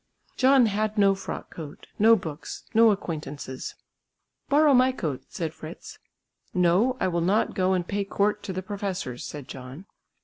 John had no frock coat, no books, no acquaintances. "Borrow my coat," said Fritz. "No, I will not go and pay court to the professors," said John.